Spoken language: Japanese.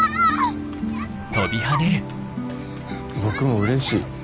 僕もうれしい。